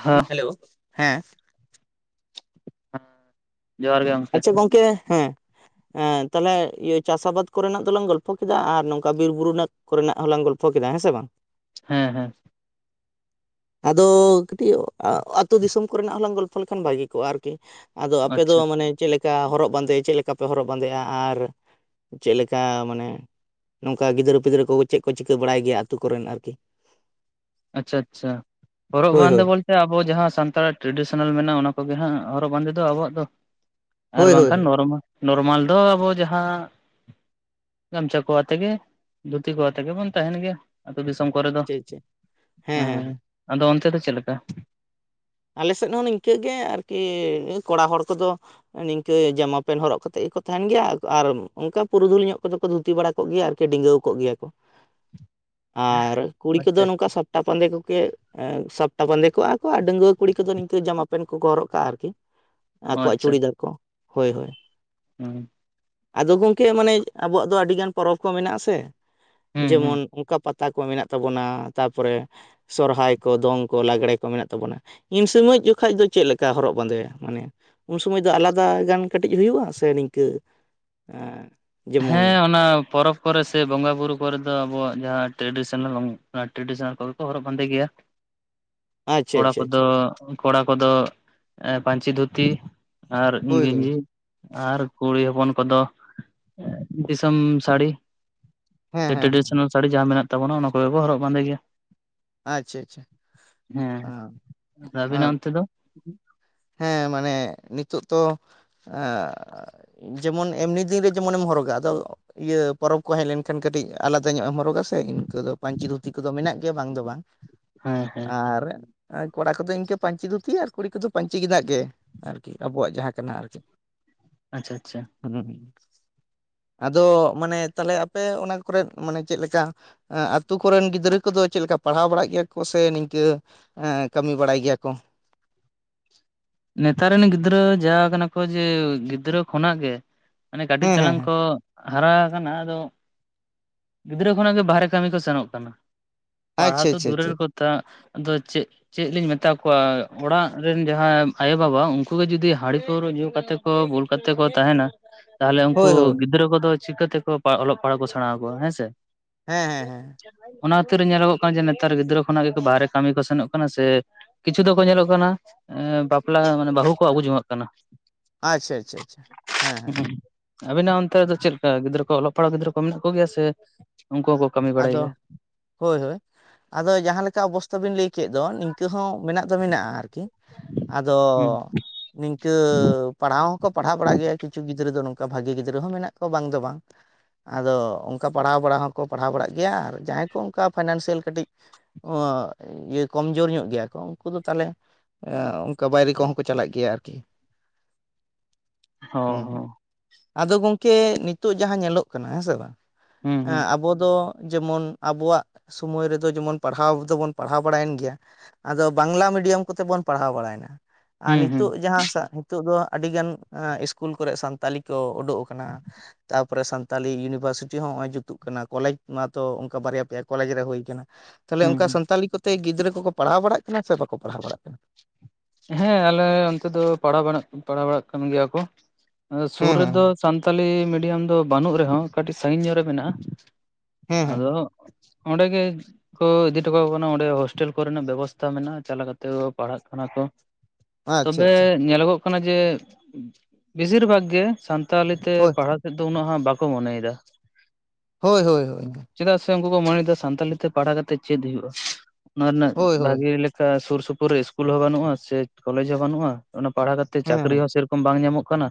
ᱦᱮᱸ ᱦᱮᱞᱳ ᱦᱮᱸ [inaudible] ᱟᱪᱪᱷᱟ ᱜᱚᱝᱠᱮ ᱦᱮᱸ ᱮᱸ ᱦᱮᱸ ᱛᱟᱦᱚᱞᱮ ᱤᱭᱟᱹ ᱪᱟᱥ ᱟᱵᱟᱫᱽ ᱠᱚ ᱨᱮᱱᱟᱜ ᱫᱚᱞᱟᱝ ᱜᱚᱞᱯᱷᱚ ᱠᱮᱫᱟ ᱟᱨ ᱱᱚᱝᱠᱟ ᱵᱤᱨ ᱵᱩᱨᱩ ᱨᱮᱱᱟᱜ ᱠᱚ ᱨᱮᱱᱟᱜ ᱦᱚᱸ ᱞᱟᱝ ᱜᱚᱞᱯᱷᱚ ᱠᱮᱫᱟ ᱦᱮᱸ ᱥᱮ ᱵᱟᱝ [inaudible] ᱦᱮᱸ ᱦᱮᱸ [inaudible] ᱟᱫᱚ ᱠᱟᱹᱴᱤᱡ ᱟᱹᱛᱩ ᱫᱤᱥᱚᱢ ᱠᱚ ᱨᱮᱱᱟᱜ ᱦᱚᱸᱞᱟᱝ ᱜᱚᱞᱯᱷᱚ ᱞᱮᱠᱷᱟᱱ ᱵᱷᱟᱹᱜᱤ ᱠᱚᱜ-ᱟ ᱟᱨᱠᱤ ᱟᱫᱚ ᱟᱯᱮ ᱫᱚ ᱟᱪᱪᱷᱟ ᱢᱟᱱᱮ ᱪᱮᱫ ᱞᱮᱠᱟ ᱦᱚᱨᱚᱜ ᱵᱟᱸᱫᱮ ᱪᱮᱫ ᱞᱮᱠᱟ ᱯᱮ ᱦᱚᱨᱚᱜ ᱵᱟᱸᱫᱮᱜ-ᱟ ᱟᱨ ᱪᱮᱫ ᱞᱮᱠᱟ ᱢᱟᱱᱮ ᱱᱚᱝᱠᱟ ᱜᱤᱫᱽᱨᱟᱹ ᱯᱤᱫᱽᱨᱟᱹ ᱠᱚ ᱪᱮᱫ ᱠᱚ ᱪᱤᱠᱟᱹ ᱵᱟᱲᱟᱭ ᱜᱮᱭᱟ ᱟᱹᱛᱩ ᱠᱚ ᱨᱮᱱ ᱟᱨᱠᱤ ᱟᱪᱪᱷᱟ ᱟᱪᱪᱷᱟ ᱦᱚᱨᱚᱜ ᱦᱳᱭ ᱵᱟᱸᱫᱮ ᱦᱳᱭ ᱵᱚᱞ ᱟᱵᱚ ᱡᱟᱦᱟᱸ ᱥᱟᱱᱛᱟᱲᱟᱜ ᱴᱨᱟᱰᱤᱥᱚᱱᱟᱞ ᱢᱮᱱᱟᱜ-ᱟ ᱚᱱᱟ ᱠᱚᱜᱮ ᱦᱟᱸᱟᱜ ᱦᱚᱨᱚᱜ ᱵᱟᱸᱫᱮ ᱫᱚ ᱟᱵᱚᱣᱟᱜ ᱫᱚ ᱟᱨ ᱦᱳᱭ ᱵᱟᱝ ᱦᱳᱭ ᱠᱷᱟᱱ ᱦᱳᱭ ᱱᱚᱨᱢᱟᱞ ᱱᱚᱨᱢᱟᱞ ᱫᱚ ᱟᱵᱚ ᱡᱟᱦᱟᱸ ᱜᱟᱢᱪᱷᱟ ᱠᱚ ᱟᱛᱮ ᱜᱮ ᱫᱷᱩᱛᱤ ᱠᱚ ᱟᱛᱮᱜ ᱜᱮ ᱵᱚᱱ ᱛᱟᱦᱮᱱ ᱜᱮᱭᱟ ᱟᱹᱛᱩ ᱫᱤᱥᱚᱢ ᱠᱚᱨᱮ ᱫᱚ ᱪᱮᱫ ᱪᱮᱫ ᱦᱮᱸ ᱦᱮᱸ ᱦᱮᱸ ᱟᱫᱚ ᱚᱱᱛᱮ ᱫᱚ ᱪᱮᱫ ᱞᱮᱠᱟ ᱟᱞᱮ ᱥᱮᱫ ᱦᱚᱸ ᱱᱤᱝᱠᱟᱹ ᱜᱮ ᱟᱨᱠᱤ ᱠᱚᱲᱟ ᱦᱚᱲ ᱠᱚᱫᱚ ᱱᱤᱝᱠᱟᱹ ᱡᱟᱢᱟ ᱯᱮᱱᱴ ᱦᱚᱨᱚᱜ ᱠᱟᱛᱮᱜ ᱜᱮ ᱠᱚ ᱛᱟᱦᱮᱱ ᱜᱮᱭᱟ ᱟᱨ ᱚᱱᱠᱟ ᱯᱩᱨᱩᱫᱷᱩᱞ ᱧᱚᱜ ᱠᱚ ᱫᱚ ᱠᱚ ᱫᱷᱩᱛᱤ ᱵᱟᱲᱟ ᱠᱚᱜ ᱜᱮᱭᱟ ᱟᱨᱠᱤ ᱰᱤᱸᱜᱟᱹᱣ ᱠᱚᱜ ᱜᱮᱭᱟ ᱠᱚ ᱟᱨ ᱠᱩᱲᱤ ᱠᱚᱫᱚ ᱟᱪᱪᱷᱟ ᱱᱚᱝᱠᱟ ᱥᱟᱯᱴᱟ ᱵᱟᱸᱫᱮ ᱠᱚᱜᱮ ᱥᱟᱯᱴᱟ ᱵᱟᱸᱫᱮ ᱠᱚᱜ-ᱟ ᱠᱚ ᱟᱨ ᱰᱟᱺᱜᱣᱟᱹ ᱠᱚ ᱠᱩᱲᱤ ᱠᱚᱫᱚ ᱱᱤᱝᱠᱟᱹ ᱡᱟᱢᱟ ᱯᱮᱱᱴ ᱠᱚ ᱠᱚ ᱦᱚᱨᱚᱜ ᱠᱟᱜ-ᱟ ᱟᱨᱠᱤ ᱟᱠᱚᱣᱟᱜ ᱪᱩᱲᱤᱫᱟᱨ ᱠᱚ ᱦᱳᱭ ᱦᱳᱭ ᱦᱮᱸ ᱟᱫᱚ ᱜᱚᱝᱠᱮ ᱢᱟᱱᱮ ᱟᱵᱚᱣᱟᱜ ᱫᱚ ᱟᱹᱰᱤ ᱜᱟᱱ ᱯᱚᱨᱚᱵ ᱠᱚ ᱢᱮᱱᱟᱜ ᱟᱥᱮ ᱦᱩᱸ ᱦᱩᱸ ᱡᱮᱢᱚᱱ ᱚᱱᱠᱟ ᱯᱟᱛᱟ ᱠᱚ ᱢᱮᱱᱟᱜ ᱛᱟᱵᱚᱱᱟ ᱛᱟᱨᱯᱚᱨᱮ ᱥᱚᱨᱦᱟᱭ ᱠᱚ ᱫᱚᱝ ᱠᱚ ᱞᱟᱜᱽᱲᱮ ᱠᱚ ᱢᱮᱱᱟᱜ ᱛᱟᱵᱚᱱᱟ ᱤᱱ ᱥᱚᱢᱚᱭ ᱡᱚᱠᱷᱟᱡ ᱫᱚ ᱪᱮᱫ ᱞᱮᱠᱟ ᱦᱚᱨᱚᱜ ᱵᱟᱸᱫᱮ ᱢᱟᱱᱮ ᱩᱱ ᱥᱚᱢᱚᱭ ᱫᱚ ᱟᱞᱟᱫᱟ ᱜᱟᱱ ᱠᱟᱹᱴᱤᱡ ᱦᱩᱭᱩᱜᱼᱟ ᱥᱮ ᱱᱤᱝᱠᱟᱹ ᱮᱸ ᱡᱮᱢᱚᱱ ᱦᱮᱸ ᱚᱱᱟ ᱯᱚᱨᱚᱵᱽ ᱠᱚᱨᱮ ᱥᱮ ᱵᱚᱸᱜᱟ ᱵᱩᱨᱩ ᱠᱚᱨᱮ ᱫᱚ ᱟᱵᱚᱣᱟᱜ ᱡᱟᱦᱟᱸ ᱴᱨᱮᱰᱤᱥᱚᱱᱟᱞ ᱚᱱᱟ ᱴᱨᱮᱰᱤᱥᱚᱱᱟᱞ ᱠᱚᱜᱮ ᱠᱚ ᱦᱚᱨᱚᱜ ᱵᱟᱸᱫᱮ ᱜᱮᱭᱟ ᱾ [inaudible] ᱟᱪᱪᱷᱟ ᱠᱚᱲᱟ ᱟᱪᱪᱷᱟ ᱠᱚ ᱫᱚ ᱟᱪᱪᱷᱟ ᱠᱚᱲᱟ ᱠᱚ ᱫᱚ ᱮᱸ ᱯᱟᱧᱪᱤ ᱫᱷᱩᱛᱤ ᱟᱨ ᱦᱳᱭ ᱦᱳᱭ ᱜᱮᱱᱡᱤ ᱟᱨ ᱠᱩᱲᱤ ᱦᱚᱯᱚᱱ ᱠᱚᱫᱚ ᱫᱤᱥᱚᱢ ᱥᱟᱲᱤ ᱦᱮᱸ ᱥᱮ ᱦᱮᱸ ᱦᱮᱸ ᱴᱨᱮᱰᱤᱥᱚᱱᱟᱞ ᱥᱟᱹᱲᱤ ᱡᱟᱦᱟ ᱢᱮᱱᱟᱜ ᱛᱟᱵᱚᱱᱟ ᱚᱱᱟ ᱠᱚ ᱜᱮ ᱠᱚ ᱦᱚᱨᱚᱜ ᱵᱟᱸᱫᱮ ᱜᱮᱭᱟ ᱾ ᱟᱪᱪᱷᱟ ᱟᱪᱪᱷᱟ ᱟᱸ ᱦᱮᱸ ᱟᱨ ᱟᱵᱤᱱ ᱟᱸ ᱚᱱᱛᱮ ᱫᱚ ᱦᱮᱸ ᱢᱟᱱᱮ ᱱᱤᱛᱳᱜ ᱛᱚ ᱮᱸ ᱡᱮᱢᱚᱱ ᱮᱢᱱᱤ ᱫᱤᱱ ᱨᱮ ᱡᱮᱢᱚᱱᱮᱢ ᱦᱚᱨᱚᱜᱟ ᱟᱫᱚ ᱤᱭᱟᱹ ᱯᱚᱨᱚᱵᱽ ᱠᱚ ᱦᱮᱡ ᱞᱮᱱᱠᱷᱟᱱ ᱠᱟᱹᱴᱤᱡ ᱟᱞᱟᱫᱟ ᱧᱚᱜ ᱮᱢ ᱦᱚᱨᱚᱜᱟ ᱥᱮ ᱤᱱᱠᱟᱹ ᱫᱚ ᱯᱟᱹᱧᱪᱤ ᱫᱷᱩᱛᱤ ᱠᱚᱫᱚ ᱢᱮᱱᱟᱜ ᱜᱮᱭᱟ ᱵᱟᱝ ᱫᱚ ᱵᱟᱝ᱾ ᱦᱮᱸ ᱦᱮᱸ ᱟᱨ ᱟᱨ ᱠᱚᱲᱟ ᱠᱚᱫᱚ ᱤᱱᱠᱟᱹ ᱯᱟᱹᱧᱪᱤ ᱫᱷᱩᱛᱤ ᱟᱨ ᱠᱩᱲᱤ ᱠᱚᱫᱚ ᱯᱟᱹᱧᱪᱤ ᱜᱮᱸᱫᱟᱜ ᱜᱮ ᱟᱨᱠᱤ ᱟᱵᱚᱣᱟᱜ ᱡᱟᱦᱟ ᱠᱟᱱᱟ ᱟᱨᱠᱤ᱾ [inaudible] ᱟᱪᱪᱷᱟ ᱟᱪᱪᱷᱟ ᱾ ᱦᱮᱸ ᱟᱫᱚ ᱢᱟᱱᱮ ᱛᱟᱦᱚᱞᱮ ᱟᱯᱮ ᱚᱱᱟ ᱠᱚᱨᱮ ᱢᱟᱱᱮ ᱪᱮᱫ ᱞᱮᱠᱟ? ᱟᱸ ᱟᱹᱛᱳ ᱠᱚᱨᱮᱱ ᱜᱤᱫᱽᱨᱟᱹ ᱠᱚᱫᱚ ᱪᱮᱫ ᱞᱮᱠᱟ ᱯᱟᱲᱦᱟᱣ ᱵᱟᱲᱟᱜ ᱜᱮᱭᱟ ᱠᱚ ᱥᱮ ᱱᱤᱝᱠᱟᱹ ᱠᱟᱹᱢᱤ ᱵᱟᱲᱟᱭ ᱜᱮᱭᱟ ᱠᱚ᱾ ᱱᱮᱛᱟᱨ ᱨᱮᱱ ᱜᱤᱫᱽᱨᱟᱹ ᱡᱟ ᱟᱠᱟᱱᱟ ᱠᱚ ᱡᱮ ᱜᱤᱫᱽᱨᱟᱹ ᱠᱷᱚᱱᱟᱜ ᱜᱮ᱾ ᱢᱟᱱᱮ ᱠᱟᱹᱴᱤᱡ ᱦᱮᱸ ᱦᱮᱸ ᱛᱟᱞᱟᱝ ᱦᱮᱸ ᱠᱚ ᱦᱟᱨᱟ ᱟᱠᱟᱱᱟ ᱟᱫᱚ ᱜᱤᱫᱽᱨᱟᱹ ᱠᱷᱚᱱᱟᱜ ᱜᱮ ᱵᱟᱦᱨᱮ ᱠᱟᱹᱢᱤ ᱠᱚ ᱥᱮᱱᱚᱜ ᱠᱟᱱᱟ ᱾ ᱯᱟᱲᱦᱟᱣ ᱟᱪᱪᱷᱟ ᱛᱚ ᱟᱪᱪᱷᱟ ᱟᱪᱪᱷᱟ ᱫᱩᱨᱮᱨ ᱠᱚ ᱛᱷᱟ ᱟᱫᱚ ᱪᱮᱫ ᱪᱮᱫ ᱞᱤᱧ ᱢᱮᱛᱟ ᱠᱚᱣᱟ ᱚᱲᱟᱜ ᱨᱮᱱ ᱡᱟᱦᱟ ᱟᱭᱳ ᱵᱟᱵᱟ ᱩᱱᱠᱩ ᱜᱮ ᱡᱩᱫᱤ ᱦᱟᱺᱲᱤ ᱯᱟᱹᱣᱨᱟᱹ ᱧᱩ ᱠᱟᱛᱮ ᱠᱚ ᱵᱩᱞ ᱠᱟᱛᱮ ᱠᱚ ᱛᱟᱦᱮᱱᱟ᱾ ᱛᱟᱦᱚᱞᱮ ᱩᱱᱠᱩ ᱦᱳᱭ ᱦᱳᱭ ᱜᱤᱫᱽᱨᱟᱹ ᱠᱚᱫᱚ ᱪᱤᱠᱟᱹᱛᱮ ᱠᱚ ᱚᱞᱚᱜ ᱯᱟᱲᱦᱟᱜ ᱠᱚ ᱥᱮᱬᱟ ᱟᱠᱚᱣᱟ ᱦᱮᱸ ᱥᱮ᱾ ᱦᱮᱸ ᱦᱮᱸ ᱦᱮᱸ ᱚᱱᱟ ᱠᱷᱟᱛᱤᱨ ᱨᱮ ᱧᱮᱞᱚᱜᱚᱜ ᱠᱟᱱᱟ ᱡᱮ ᱱᱮᱛᱟᱨ ᱜᱤᱫᱽᱨᱟᱹ ᱠᱷᱚᱱᱟᱜ ᱜᱮ ᱵᱟᱨᱦᱮ ᱠᱟᱹᱢᱤ ᱠᱚ ᱥᱮᱱᱚᱜ ᱠᱟᱱᱟ ᱥᱮ ᱠᱤᱪᱷᱩ ᱫᱚᱠᱚ ᱧᱮᱞᱚᱜ ᱠᱟᱱᱟ ᱮ ᱵᱟᱯᱞᱟ ᱢᱟᱱᱮ ᱵᱟᱹᱦᱩ ᱠᱚ ᱟᱹᱜᱩ ᱡᱚᱝᱟᱜ ᱠᱟᱱᱟ᱾ ᱟᱪᱪᱷᱟ ᱟᱪᱪᱷᱟ ᱟᱪᱪᱷᱟ ᱦᱮᱸ ᱦᱮᱸ ᱟᱵᱤᱱᱟᱜ ᱚᱱᱛᱮ ᱨᱮ ᱫᱚ ᱪᱮᱫ ᱞᱮᱠᱟ ᱜᱤᱫᱽᱨᱟᱹ ᱠᱚ ᱚᱞᱚᱜ ᱯᱟᱲᱦᱟᱜ ᱜᱤᱫᱽᱨᱟᱹ ᱠᱚ ᱢᱮᱱᱟᱜ ᱠᱚᱜᱮᱭᱟ ᱥᱮ ᱩᱱᱠᱩ [unintelligible] ᱟᱫᱚ ᱜᱮᱭᱟ ᱦᱳᱭ ᱦᱳᱭ ᱟᱫᱚ ᱡᱟᱦᱟᱸ ᱞᱮᱠᱟ ᱚᱵᱚᱥᱛᱟ ᱵᱤᱱ ᱞᱟᱹᱭ ᱠᱮᱫ ᱫᱚ ᱱᱤᱝᱠᱟᱹ ᱦᱚᱸ ᱢᱮᱱᱟᱜ ᱫᱚ ᱢᱮᱱᱟᱜᱼᱟ ᱟᱨᱠ ᱠᱤ ᱟᱫᱚ ᱦᱩᱸ ᱱᱤᱝᱠᱟᱹ ᱯᱟᱲᱦᱟᱣ ᱦᱚᱸ ᱠᱚ ᱯᱟᱲᱦᱟᱣ ᱵᱟᱲᱟᱜ ᱜᱮᱭᱟ ᱠᱤᱪᱷᱩ ᱜᱤᱫᱽᱨᱟᱹ ᱫᱚ ᱱᱚᱝᱠᱟ ᱵᱷᱟᱹᱜᱤ ᱜᱤᱫᱽᱨᱟᱹ ᱦᱚᱸ ᱢᱮᱱᱟᱜ ᱠᱚᱣᱟ ᱵᱟᱝ ᱫᱚ ᱵᱟᱝ᱾ ᱟᱫᱚ ᱚᱱᱠᱟ ᱯᱟᱲᱦᱟᱣ ᱵᱟᱲᱟ ᱦᱚᱸ ᱠᱚ ᱯᱟᱲᱦᱟᱣ ᱵᱟᱲᱟᱜ ᱜᱮᱭᱟ ᱟᱨ ᱡᱟᱦᱟᱸᱭ ᱠᱚ ᱚᱱᱠᱟ ᱯᱷᱟᱭᱱᱟᱱᱥᱤᱭᱟᱞ ᱠᱟᱹᱴᱤᱡ [unintelligible] ᱠᱚᱢᱡᱳᱨ ᱧᱚᱜ ᱜᱮᱭᱟ ᱠᱚ ᱩᱱᱠᱩ ᱫᱚ ᱛᱟᱦᱚᱞᱮ ᱮᱜ ᱚᱱᱠᱟ ᱵᱟᱭᱨᱮ ᱠᱚᱦᱚᱸ ᱠᱚ ᱪᱟᱞᱟᱜ ᱜᱮᱭᱟ ᱟᱨᱠᱤ᱾ ᱦᱚᱸ ᱦᱮᱸ ᱦᱮᱸ ᱟᱫᱚ ᱜᱚᱝᱠᱮ ᱱᱤᱛᱳᱜ ᱡᱟᱦᱟᱸ ᱧᱮᱞᱚᱜ ᱠᱟᱱᱟ ᱦᱮᱸ ᱥᱮ ᱵᱟᱝ᱾ ᱦᱚᱸ ᱮᱸ ᱦᱩᱸ ᱟᱵᱚ ᱫᱚ ᱡᱮᱢᱚᱱ ᱟᱵᱚᱣᱟᱜ ᱥᱚᱢᱚᱭ ᱨᱮᱫᱚ ᱡᱮᱢᱚᱱ ᱯᱟᱲᱦᱟᱣ ᱫᱚᱵᱚᱱ ᱯᱟᱲᱦᱟᱣ ᱵᱟᱲᱟᱭᱮᱱ ᱜᱮᱭᱟ᱾ ᱟᱫᱚ ᱵᱟᱝᱞᱟ ᱢᱤᱰᱤᱭᱟᱢ ᱠᱚᱛᱮ ᱵᱚᱱ ᱯᱟᱲᱦᱟᱣ ᱵᱟᱲᱟᱭᱱᱟ᱾ ᱟᱨ ᱦᱩᱸ ᱦᱩᱸ ᱱᱤᱛᱚᱜ ᱦᱩᱸ ᱡᱟᱦᱟᱸ ᱥᱟ ᱱᱤᱛᱚᱜ ᱫᱚ ᱟᱹᱰᱤ ᱜᱟᱱ ᱤᱥᱠᱩᱞ ᱠᱚᱨᱮᱜ ᱥᱟᱱᱛᱟᱞᱤ ᱠᱚ ᱩᱰᱩᱜ ᱟᱠᱟᱱᱟ ᱛᱟᱯᱚᱨᱮ ᱥᱟᱱᱛᱟᱞᱤ ᱤᱭᱩᱱᱤᱵᱷᱟᱨᱥᱤᱴᱤ ᱦᱚᱸ ᱱᱚᱜᱼᱚᱭ ᱡᱩᱛᱩᱜ ᱠᱟᱱᱟ᱾ ᱠᱚᱞᱮᱡᱽ ᱢᱟᱛᱚ ᱚᱱᱠᱟ ᱵᱟᱨᱭᱟ ᱯᱮᱭᱟ ᱠᱚᱞᱮᱡᱽ ᱨᱮ ᱦᱩᱭ ᱟᱠᱟᱱᱟ ᱛᱟᱦᱚᱞᱮ ᱦᱩᱸ ᱚᱱᱠᱟ ᱦᱩᱸ ᱥᱟᱱᱛᱟᱞᱤ ᱠᱚ ᱛᱮ ᱜᱤᱫᱽᱨᱟᱹ ᱠᱚᱠᱚ ᱯᱟᱲᱦᱟᱣ ᱵᱟᱲᱟᱜ ᱠᱟᱱᱟ ᱥᱮ ᱵᱟᱠᱚ ᱯᱟᱲᱦᱟᱣ ᱵᱟᱲᱟᱜ ᱠᱟᱱᱟ? ᱦᱮᱸ ᱟᱞᱮ ᱚᱱᱛᱮ ᱫᱚ ᱯᱟᱲᱦᱟᱣ ᱵᱟᱲ ᱯᱟᱲᱦᱟᱣ ᱵᱟᱲᱟᱜ ᱠᱟᱱ ᱜᱮᱭᱟ ᱠᱚ ᱥᱩᱨ ᱦᱮᱸ ᱨᱮᱫᱚ ᱦᱮᱸ ᱾ ᱥᱟᱱᱛᱟᱞᱤ ᱢᱤᱰᱤᱭᱟᱢ ᱫᱚ ᱵᱟᱹᱱᱩᱜ ᱨᱮᱦᱚᱸ ᱠᱟᱹᱴᱤᱡ ᱥᱟᱺᱜᱤᱧ ᱧᱚᱜ ᱨᱮ ᱢᱮᱱᱟᱜᱼᱟ ᱦᱮᱸ ᱾ ᱦᱮᱸ ᱟᱫᱚᱼᱼ ᱚᱸᱰᱮ ᱜᱮᱼᱼ ᱠᱚ ᱤᱫᱤ ᱦᱚᱴᱚ ᱠᱟᱠᱚ ᱠᱟᱱᱟ, ᱚᱸᱰᱮ ᱦᱳᱥᱴᱮᱞ ᱠᱚᱨᱮᱱᱟᱜ ᱵᱮᱵᱚᱥᱛᱟ ᱢᱮᱱᱟᱜᱼᱟ ᱪᱟᱞᱟᱣ ᱠᱟᱛᱮ ᱠᱚ ᱯᱟᱲᱦᱟᱜ ᱠᱟᱱᱟ ᱠᱚ ᱾ ᱟᱪᱪᱷᱟ ᱛᱚᱵᱮ ᱟᱪᱪᱷᱟ ᱧᱮᱞᱚᱜᱚᱜ ᱠᱟᱱᱟ ᱡᱮ ᱵᱮᱥᱤᱨ ᱵᱷᱟᱜᱽ ᱜᱮ ᱥᱟᱱᱛᱟᱞᱤ ᱛᱮ ᱦᱳᱭ ᱯᱟᱲᱦᱟᱜ ᱱᱤᱛᱚᱜ ᱩᱱᱟᱹᱜᱷ ᱦᱟᱸᱜ ᱵᱟᱠᱚ ᱢᱚᱱᱮᱭᱮᱫᱟ ᱾ ᱦᱳᱭ ᱦᱳᱭ ᱚᱝᱠᱟ ᱾ ᱪᱮᱫᱟᱜ ᱥᱮ ᱩᱱᱠᱩ ᱠᱚ ᱢᱚᱱᱮᱭᱮᱫᱟ ᱥᱟᱱᱛᱟᱞᱤ ᱛᱮ ᱯᱟᱲᱦᱟᱣ ᱠᱟᱛᱮᱫ ᱪᱮᱫ ᱦᱩᱭᱩᱜᱼᱟ, ᱚᱱᱟ ᱨᱮᱱᱟᱜ ᱦᱳᱭ ᱦᱳᱭ ᱵᱷᱟᱜᱮ ᱞᱮᱠ ᱥᱩᱨ ᱥᱩᱯᱩᱨ ᱨᱮ ᱤᱥᱠᱩᱞ ᱦᱚᱸ ᱵᱟᱹᱱᱩᱜᱼᱟ ᱥᱮ ᱠᱚᱞᱮᱡᱽ ᱦᱚᱸ ᱵᱟᱹᱱᱩᱜᱼᱟ, ᱚᱱᱟ ᱯᱟᱲᱦᱟᱣ ᱠᱟᱛᱮᱫ ᱦᱮᱸ ᱪᱟᱹᱠᱨᱤ ᱦᱮᱸ ᱦᱚᱸ ᱥᱮᱨᱠ ᱵᱟᱝ ᱧᱟᱢᱚᱜ ᱠᱟᱱᱟ